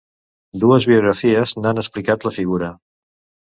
Dues biografies n'han explicat la figura.